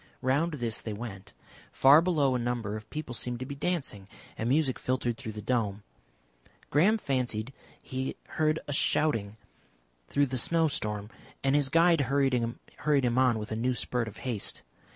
Round this they went. Far below a number of people seemed to be dancing, and music filtered through the dome.... Graham fancied he heard a shouting through the snowstorm, and his guide hurried him on with a new spurt of haste.